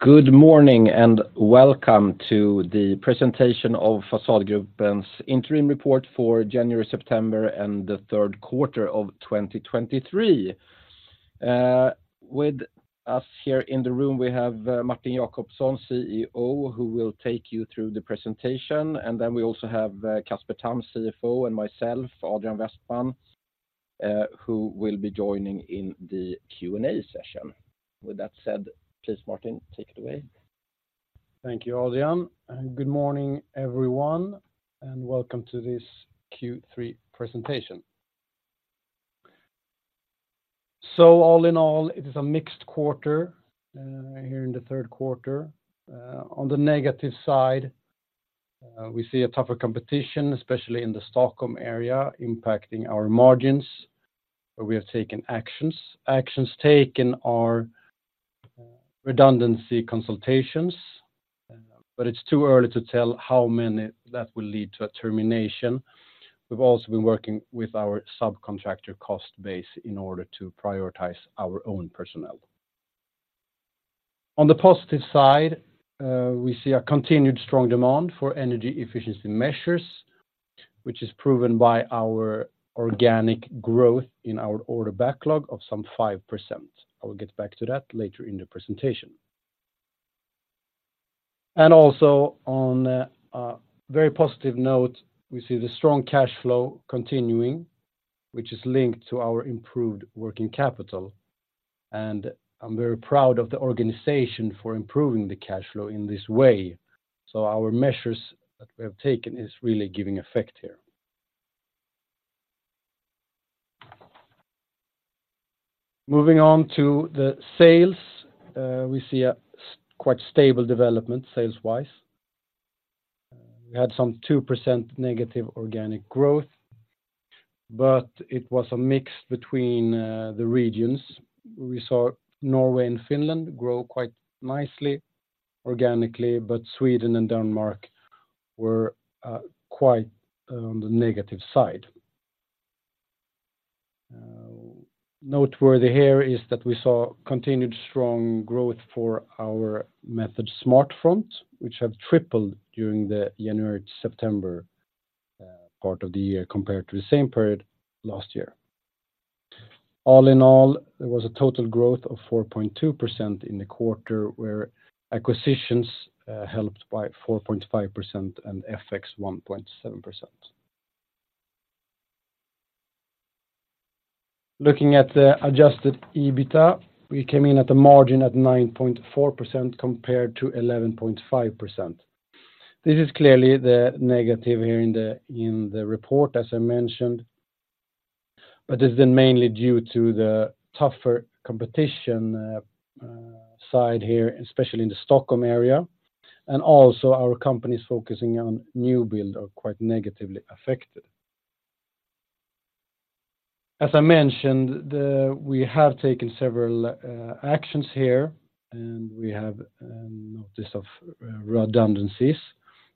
Good morning, and welcome to the presentation of Fasadgruppen's interim report for January, September, and the third quarter of 2023. With us here in the room, we have Martin Jacobsson, CEO, who will take you through the presentation. And then we also have Casper Tamm, CFO, and myself, Adrian Westman, who will be joining in the Q&A session. With that said, please, Martin, take it away. Thank you, Adrian, and good morning, everyone, and welcome to this Q3 presentation. So all in all, it is a mixed quarter here in the third quarter. On the negative side, we see a tougher competition, especially in the Stockholm area, impacting our margins, where we have taken actions. Actions taken are redundancy consultations, but it's too early to tell how many that will lead to a termination. We've also been working with our subcontractor cost base in order to prioritize our own personnel. On the positive side, we see a continued strong demand for energy efficiency measures, which is proven by our organic growth in our order backlog of some 5%. I will get back to that later in the presentation. And also on a very positive note, we see the strong cash flow continuing, which is linked to our improved working capital, and I'm very proud of the organization for improving the cash flow in this way. So our measures that we have taken is really giving effect here. Moving on to the sales, we see a quite stable development, sales-wise. We had some 2% negative organic growth, but it was a mix between the regions. We saw Norway and Finland grow quite nicely, organically, but Sweden and Denmark were quite on the negative side. Noteworthy here is that we saw continued strong growth for our method SmartFront, which have tripled during the January to September part of the year compared to the same period last year. All in all, there was a total growth of 4.2% in the quarter, where acquisitions helped by 4.5% and FX 1.7%. Looking at the Adjusted EBITDA, we came in at a margin at 9.4% compared to 11.5%. This is clearly the negative here in the report, as I mentioned, but this is then mainly due to the tougher competition side here, especially in the Stockholm area, and also our companies focusing on new build are quite negatively affected. As I mentioned, we have taken several actions here, and we have notice of redundancies,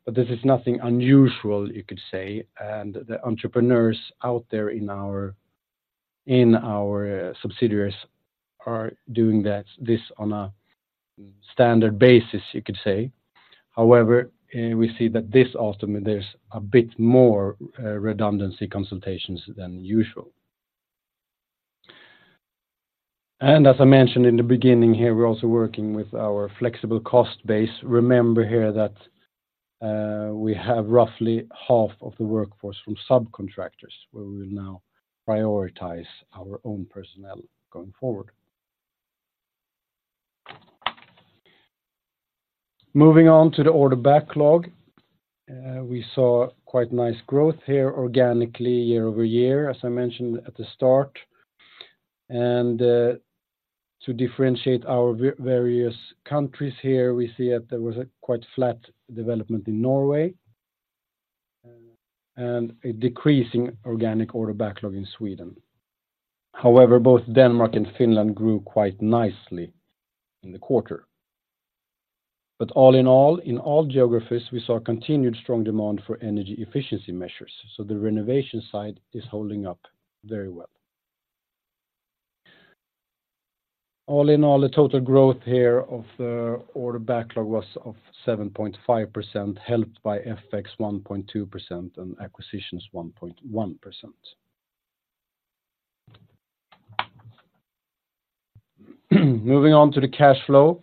but this is nothing unusual, you could say, and the entrepreneurs out there in our subsidiaries are doing this on a standard basis, you could say. However, we see that this autumn, there's a bit more redundancy consultations than usual. And as I mentioned in the beginning here, we're also working with our flexible cost base. Remember here that we have roughly half of the workforce from subcontractors, where we will now prioritize our own personnel going forward. Moving on to the order backlog, we saw quite nice growth here, organically, year-over-year, as I mentioned at the start. And to differentiate our various countries here, we see that there was a quite flat development in Norway and a decreasing organic order backlog in Sweden. However, both Denmark and Finland grew quite nicely in the quarter. But all in all, in all geographies, we saw a continued strong demand for energy efficiency measures, so the renovation side is holding up very well. All in all, the total growth here of the order backlog was 7.5%, helped by FX 1.2% and acquisitions, 1.1%. Moving on to the cash flow.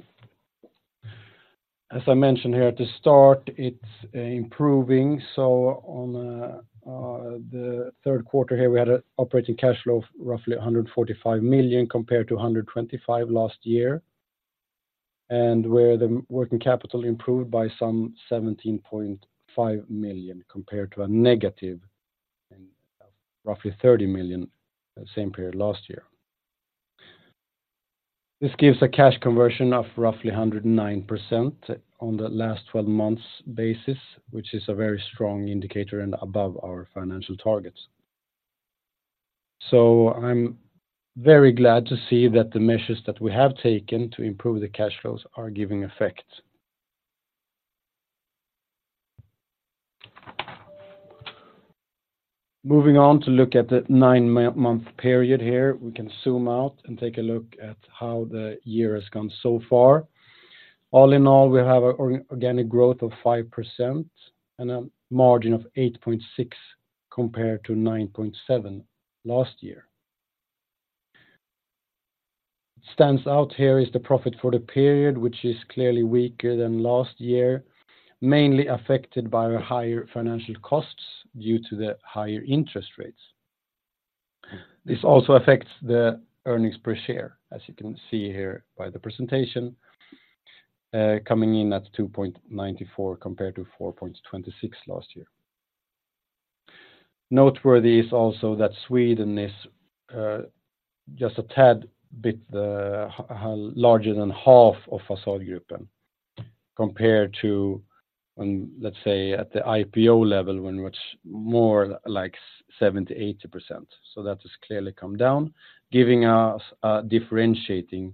As I mentioned here at the start, it's improving, so on the third quarter here, we had an operating cash flow of roughly 145 million compared to 125 million last year, and where the working capital improved by some 17.5 million compared to a negative and roughly 30 million, same period last year. This gives a cash conversion of roughly 109% on the last twelve months basis, which is a very strong indicator and above our financial targets. So I'm very glad to see that the measures that we have taken to improve the cash flows are giving effect. Moving on to look at the nine-month period here, we can zoom out and take a look at how the year has gone so far. All in all, we have organic growth of 5% and a margin of 8.6 compared to 9.7 last year. Stands out here is the profit for the period, which is clearly weaker than last year, mainly affected by our higher financial costs due to the higher interest rates. This also affects the earnings per share, as you can see here by the presentation, coming in at 2.94 compared to 4.26 last year. Noteworthy is also that Sweden is just a tad bit larger than half of Fasadgruppen, compared to, let's say, at the IPO level, when it was more like 70, 80%. So that has clearly come down, giving us a differentiating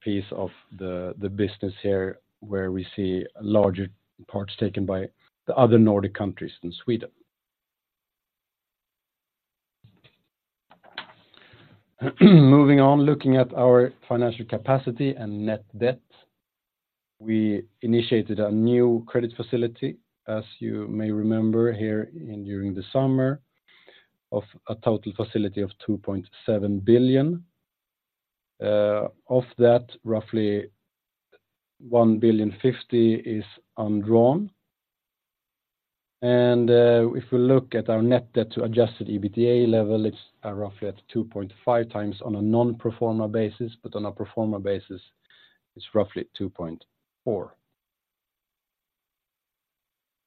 piece of the business here, where we see larger parts taken by the other Nordic countries than Sweden. Moving on, looking at our financial capacity and net debt, we initiated a new credit facility, as you may remember here in during the summer, of a total facility of 2.7 billion. Of that, roughly 1,000,050,000 is undrawn. And if we look at our net debt to Adjusted EBITDA level, it's roughly at 2.5x on a non-pro forma basis, but on a pro forma basis, it's roughly 2.4.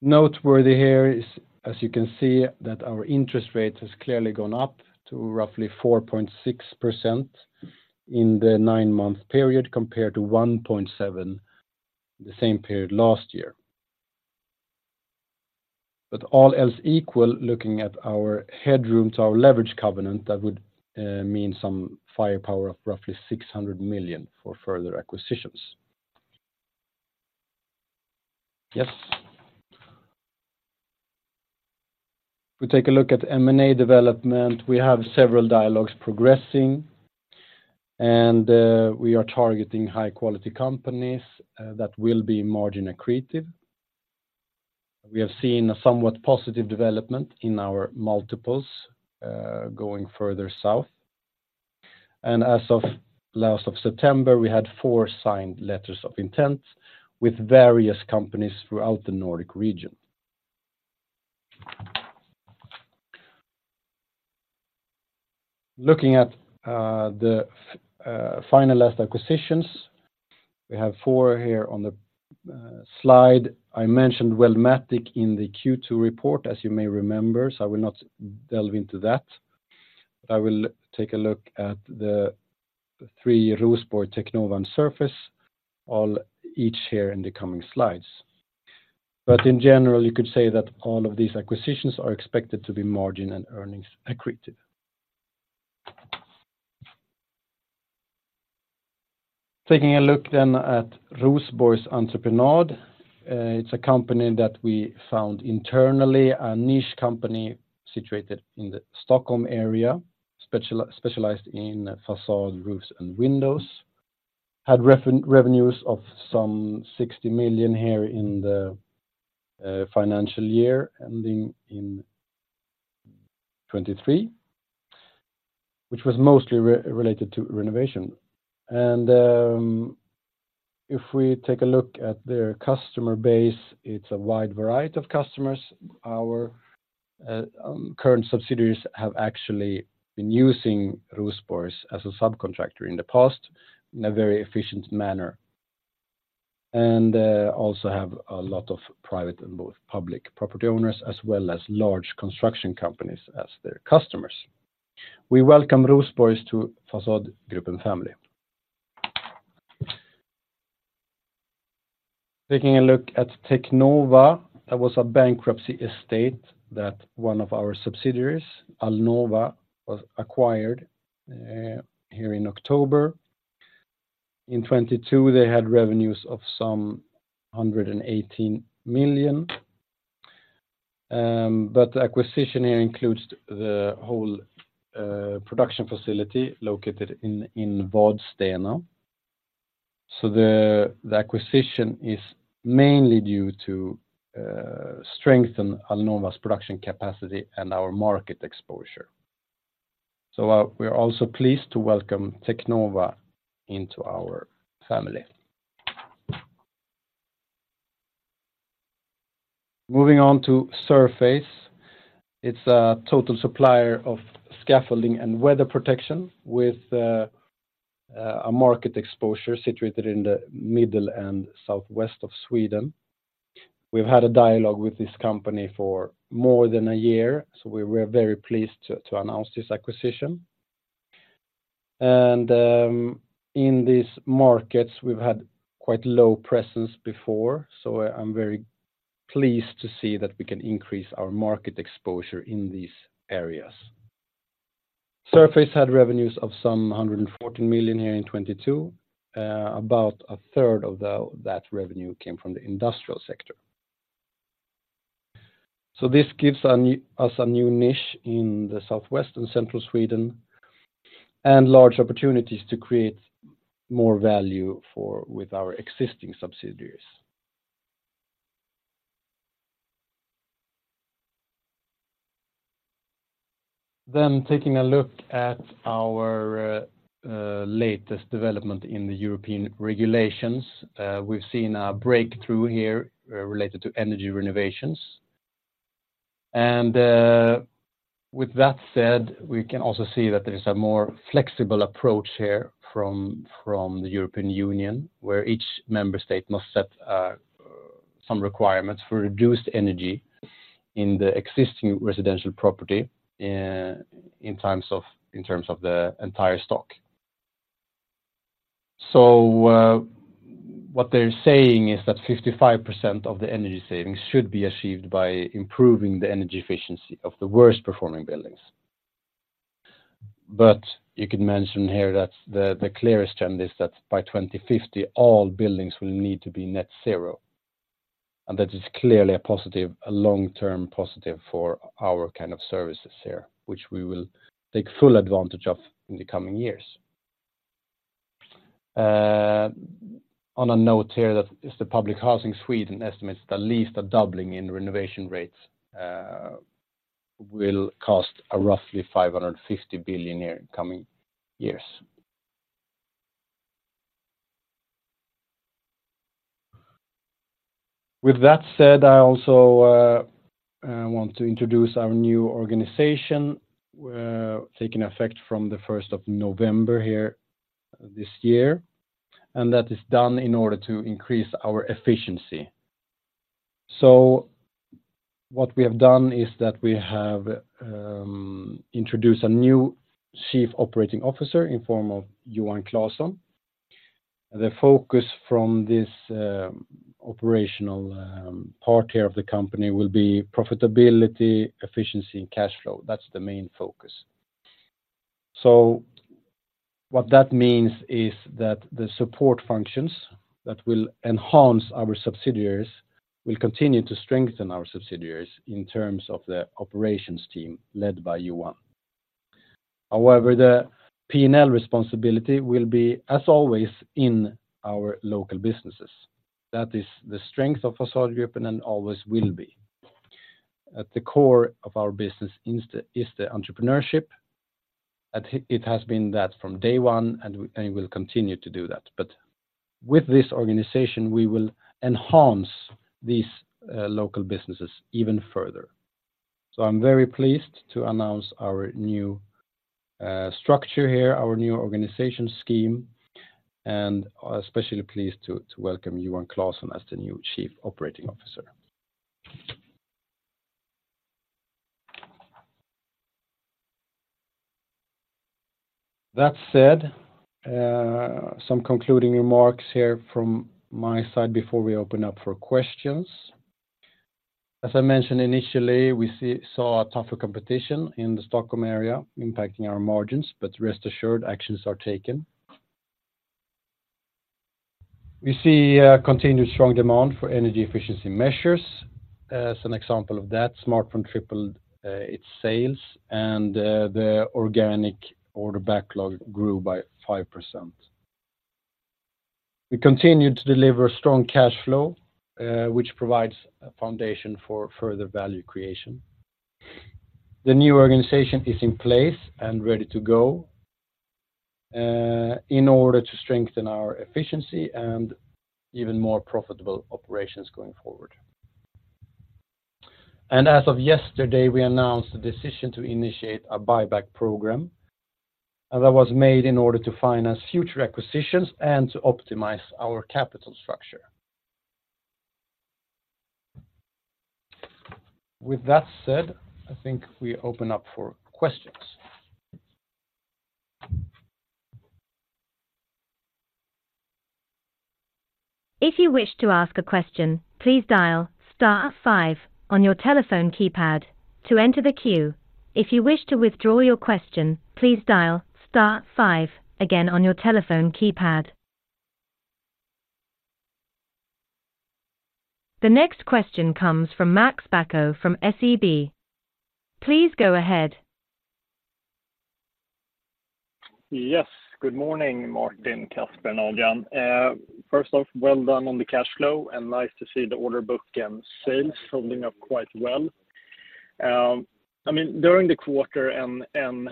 Noteworthy here is, as you can see, that our interest rate has clearly gone up to roughly 4.6% in the nine-month period, compared to 1.7%, the same period last year. But all else equal, looking at our headroom to our leverage covenant, that would mean some firepower of roughly 600 million for further acquisitions. Yes. If we take a look at M&A development, we have several dialogues progressing, and we are targeting high-quality companies that will be margin accretive. We have seen a somewhat positive development in our multiples going further south. And as of end of September, we had four signed letters of intent with various companies throughout the Nordic region. Looking at the finalized acquisitions, we have four here on the slide. I mentioned Wellmatic in the Q2 report, as you may remember, so I will not delve into that. But I will take a look at the three, Rosborg, Teknova, and Surface, all each here in the coming slides. But in general, you could say that all of these acquisitions are expected to be margin and earnings accretive. Taking a look then at Rosborg Entreprenad, it's a company that we found internally, a niche company situated in the Stockholm area, specialized in facade, roofs, and windows. Had revenues of some 60 million here in the financial year ending in 2023, which was mostly related to renovation. And if we take a look at their customer base, it's a wide variety of customers. Our current subsidiaries have actually been using Rosborgs as a subcontractor in the past in a very efficient manner, and also have a lot of private and both public property owners, as well as large construction companies as their customers. We welcome Rosborgs to Fasadgruppen family. Taking a look at Teknova, that was a bankruptcy estate that one of our subsidiaries, Alnova, was acquired here in October. In 2022, they had revenues of approximately 118 million. But the acquisition here includes the whole production facility located in Vadstena. So the acquisition is mainly due to strengthen Alnova's production capacity and our market exposure. So we are also pleased to welcome Teknova into our family. Moving on to Surface. It's a total supplier of scaffolding and weather protection with a market exposure situated in the middle and southwest of Sweden. We've had a dialogue with this company for more than a year, so we were very pleased to announce this acquisition And in these markets, we've had quite low presence before, so I'm very pleased to see that we can increase our market exposure in these areas.... Surface had revenues of 114 million here in 2022, about a third of that revenue came from the industrial sector. So this gives us a new niche in the southwest and central Sweden, and large opportunities to create more value with our existing subsidiaries. Then taking a look at our latest development in the European regulations, we've seen a breakthrough here related to energy renovations. And, with that said, we can also see that there is a more flexible approach here from, from the European Union, where each member state must set some requirements for reduced energy in the existing residential property, in terms of, in terms of the entire stock. So, what they're saying is that 55% of the energy savings should be achieved by improving the energy efficiency of the worst performing buildings. But you could mention here that the, the clearest trend is that by 2050, all buildings will need to be net zero, and that is clearly a positive, a long-term positive for our kind of services here, which we will take full advantage of in the coming years. On a note here, that is the public housing Sweden estimates that least a doubling in renovation rates will cost roughly 550 billion in coming years. With that said, I also want to introduce our new organization taking effect from the first of November here this year, and that is done in order to increase our efficiency. So what we have done is that we have introduced a new Chief Operating Officer in form of Johan Claesson. The focus from this operational part here of the company will be profitability, efficiency, and cash flow. That's the main focus. So what that means is that the support functions that will enhance our subsidiaries will continue to strengthen our subsidiaries in terms of the operations team led by Johan. However, the P&L responsibility will be, as always, in our local businesses. That is the strength of Fasadgruppen Group and always will be. At the core of our business is the entrepreneurship, and it has been that from day one, and we will continue to do that. But with this organization, we will enhance these local businesses even further. So I'm very pleased to announce our new structure here, our new organization scheme, and especially pleased to welcome Johan Claesson as the new Chief Operating Officer. That said, some concluding remarks here from my side before we open up for questions. As I mentioned initially, we saw a tougher competition in the Stockholm area impacting our margins, but rest assured, actions are taken. We see a continued strong demand for energy efficiency measures. As an example of that, SmartFront tripled its sales, and the organic order backlog grew by 5%. We continued to deliver strong cash flow, which provides a foundation for further value creation. The new organization is in place and ready to go, in order to strengthen our efficiency and even more profitable operations going forward. And as of yesterday, we announced a decision to initiate a buyback program, and that was made in order to finance future acquisitions and to optimize our capital structure. With that said, I think we open up for questions. If you wish to ask a question, please dial star five on your telephone keypad to enter the queue. If you wish to withdraw your question, please dial star five again on your telephone keypad. The next question comes from Max Bacco from SEB. Please go ahead. Yes, good morning, Martin, Casper, and Johan. First off, well done on the cash flow, and nice to see the order book and sales holding up quite well. I mean, during the quarter and, and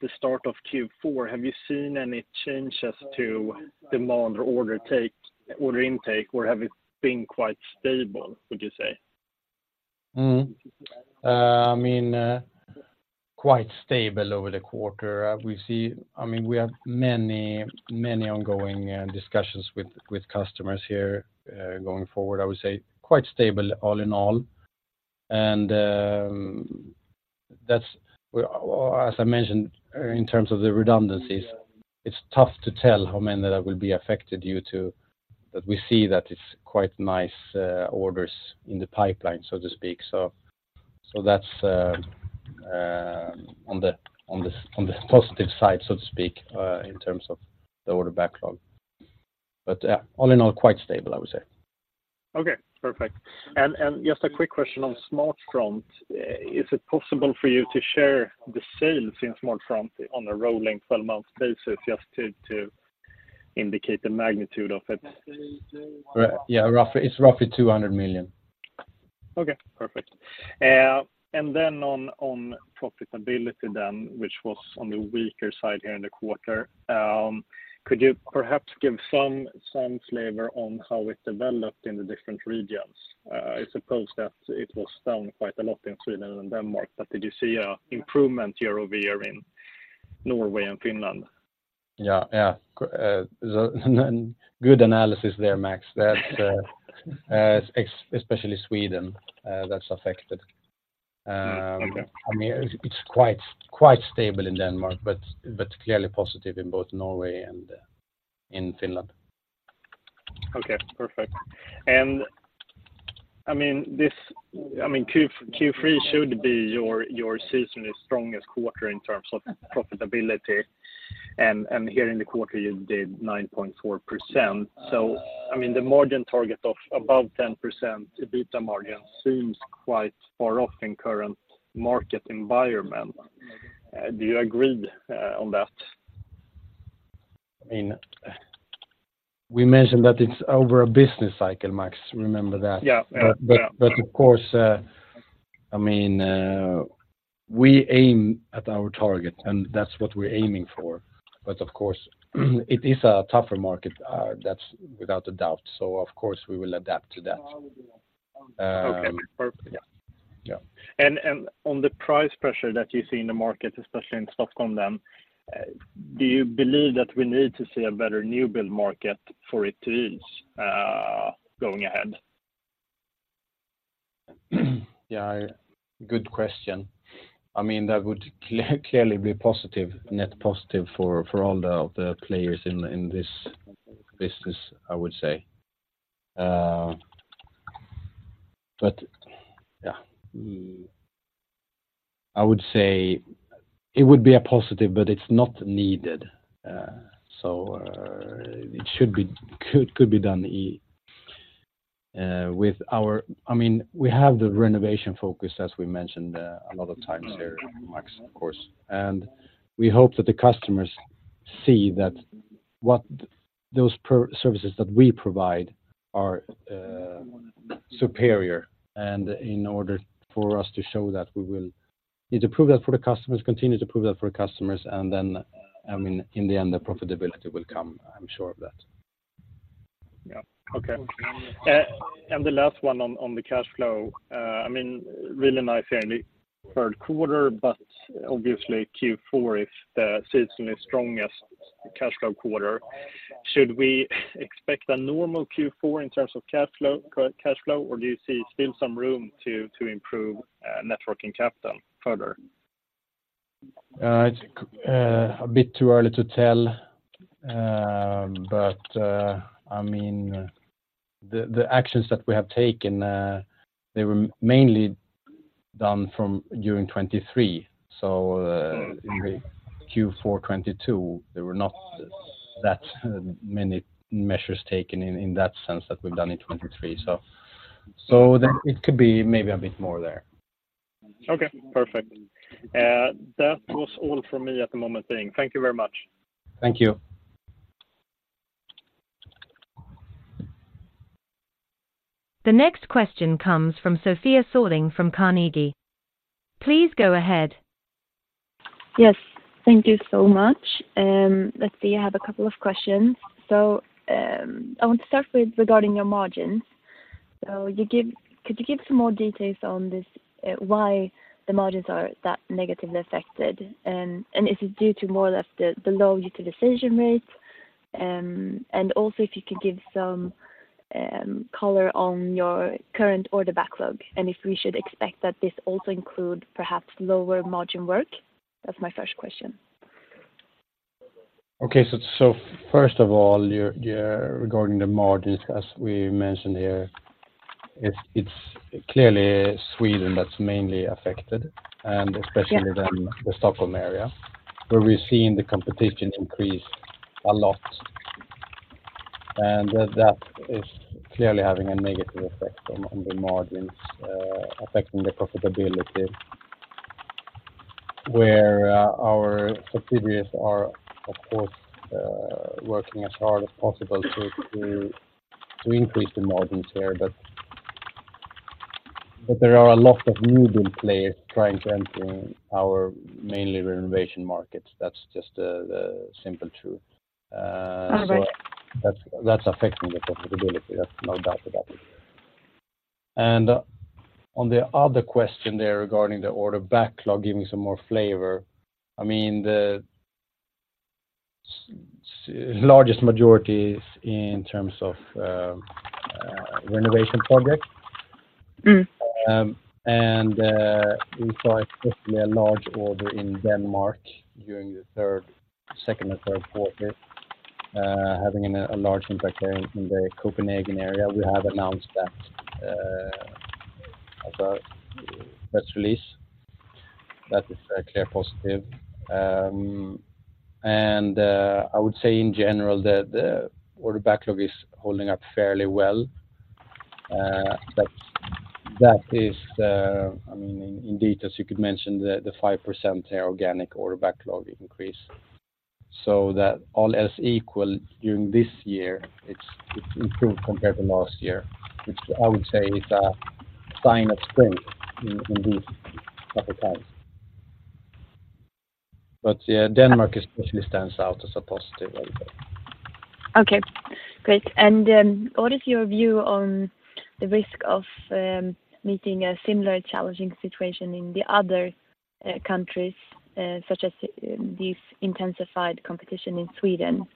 the start of Q4, have you seen any changes to demand or order take, order intake, or have it been quite stable, would you say? Mm-hmm. I mean, quite stable over the quarter. I mean, we have many, many ongoing discussions with customers here. Going forward, I would say quite stable all in all, and that's... Well, as I mentioned, in terms of the redundancies, it's tough to tell how many that will be affected due to-... But we see that it's quite nice orders in the pipeline, so to speak. So that's on the positive side, so to speak, in terms of the order backlog. But all in all, quite stable, I would say. Okay, perfect. And just a quick question on SmartFront. Is it possible for you to share the sales in SmartFront on a rolling 12-month basis just to indicate the magnitude of it? Right. Yeah, roughly, it's roughly 200 million. Okay, perfect. And then on, on profitability then, which was on the weaker side here in the quarter. Could you perhaps give some, some flavor on how it developed in the different regions? I suppose that it was down quite a lot in Sweden and Denmark, but did you see a improvement year-over-year in Norway and Finland? Yeah, yeah. Good analysis there, Max. That's especially Sweden, that's affected. Okay. I mean, it's quite, quite stable in Denmark, but, but clearly positive in both Norway and in Finland. Okay, perfect. And I mean, I mean, Q3 should be your seasonally strongest quarter in terms of profitability, and here in the quarter, you did 9.4%. So I mean, the margin target of above 10% EBITDA margin seems quite far off in current market environment. Do you agree on that? I mean, we mentioned that it's over a business cycle, Max, remember that? Yeah, yeah. But of course, I mean, we aim at our target, and that's what we're aiming for. But of course, it is a tougher market, that's without a doubt. So of course, we will adapt to that. Okay, perfect. Yeah. Yeah. And on the price pressure that you see in the market, especially in Stockholm, then do you believe that we need to see a better new build market for it to ease going ahead? Yeah, good question. I mean, that would clearly be positive, net positive for all the players in this business, I would say. But yeah, I would say it would be a positive, but it's not needed. So, it could be done with our. I mean, we have the renovation focus, as we mentioned, a lot of times here, Max, of course. And we hope that the customers see that what those services that we provide are superior. And in order for us to show that, we will need to prove that for the customers, continue to prove that for customers, and then, I mean, in the end, the profitability will come. I'm sure of that. Yeah. Okay. And the last one on the cash flow, I mean, really nice here in the third quarter, but obviously, Q4 is the seasonally strongest cash flow quarter. Should we expect a normal Q4 in terms of cash flow, or do you see still some room to improve net working capital further? It's a bit too early to tell. But I mean, the actions that we have taken, they were mainly done from during 2023. So, Mm-hmm. In Q4 2022, there were not that many measures taken in that sense that we've done in 2023. So then it could be maybe a bit more there. Okay, perfect. That was all from me at the moment then. Thank you very much. Thank you. The next question comes from Sofia Sörling from Carnegie. Please go ahead. Yes, thank you so much. Let's see, I have a couple of questions. So, I want to start with regarding your margins. So, could you give some more details on this, why the margins are that negatively affected? And is it due to more or less the low utilization rates? And also if you could give some color on your current order backlog, and if we should expect that this also include perhaps lower margin work? That's my first question. Okay. So first of all, you're regarding the margins, as we mentioned here, it's clearly Sweden that's mainly affected, and especially- Yeah... then the Stockholm area, where we're seeing the competition increase a lot, and that is clearly having a negative effect on the margins, affecting the profitability. Where our subsidiaries are, of course, working as hard as possible to increase the margins there. But there are a lot of new build players trying to enter our mainly renovation markets. That's just the simple truth. Okay. So that's, that's affecting the profitability, there's no doubt about it. And on the other question there, regarding the order backlog, giving some more flavor. I mean, the largest majority is in terms of, renovation project. Mm-hmm. And we saw especially a large order in Denmark during the second or third quarter, having a large impact there in the Copenhagen area. We have announced that, as a press release, that is a clear positive. And I would say in general, that the order backlog is holding up fairly well, but that is, I mean, indeed, as you could mention, the 5% organic order backlog increase. So that all else equal during this year, it's improved compared to last year, which I would say is a sign of strength in these tougher times. But yeah, Denmark especially stands out as a positive area. Okay, great. What is your view on the risk of meeting a similar challenging situation in the other countries, such as this intensified competition in Sweden?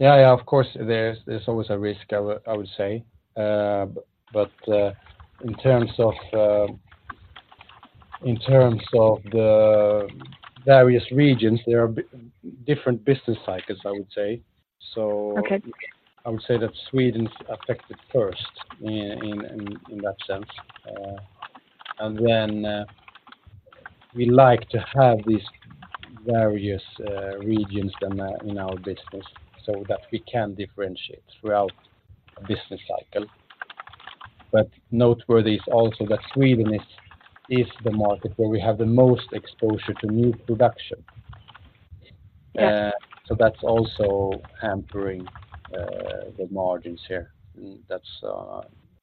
Yeah, yeah, of course, there's always a risk, I would say. But in terms of the various regions, there are different business cycles, I would say. So- Okay. I would say that Sweden's affected first in that sense. And then, we like to have these various regions in our business so that we can differentiate throughout a business cycle. But noteworthy is also that Sweden is the market where we have the most exposure to new production. Yes. So that's also hampering the margins here. That's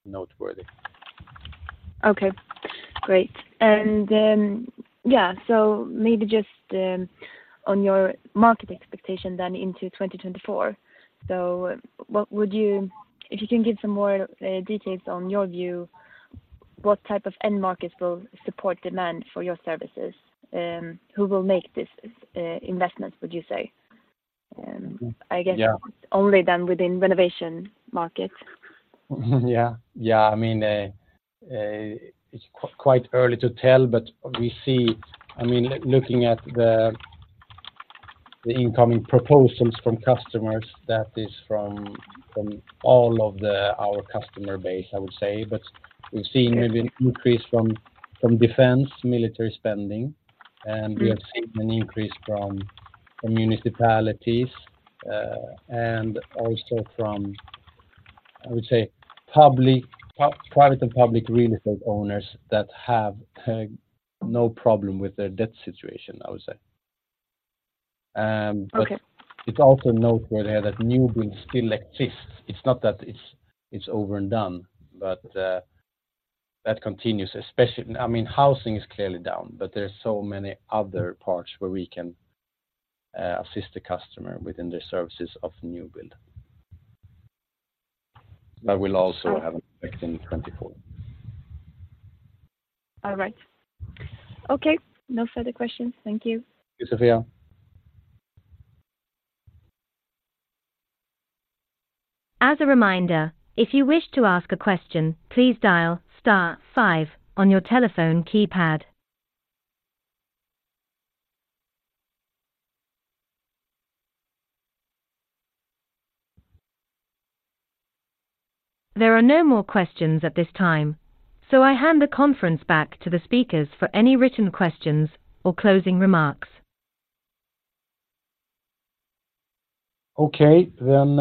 noteworthy. Okay, great. And then, yeah, so maybe just on your market expectation then into 2024. So what would you? If you can give some more details on your view, what type of end markets will support demand for your services? Who will make this investment, would you say? I guess- Yeah. Only then within renovation markets. Yeah. Yeah. I mean, it's quite early to tell, but we see-- I mean, looking at the incoming proposals from customers, that is from all of our customer base, I would say. But we've seen maybe an increase from defense, military spending, and we have seen an increase from municipalities, and also from, I would say, public, private and public real estate owners that have no problem with their debt situation, I would say. Okay. But it's also noteworthy that new build still exists. It's not that it's, it's over and done, but that continues, especially... I mean, housing is clearly down, but there are so many other parts where we can assist the customer within the services of the new build. That will also have an effect in 2024. All right. Okay. No further questions. Thank you. Thank you, Sophia. As a reminder, if you wish to ask a question, please dial star five on your telephone keypad. There are no more questions at this time, so I hand the conference back to the speakers for any written questions or closing remarks. Okay. Then,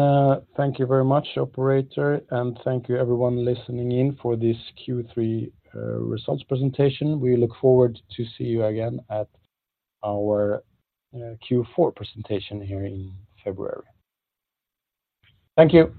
thank you very much, operator, and thank you everyone listening in for this Q3 results presentation. We look forward to see you again at our Q4 presentation here in February. Thank you.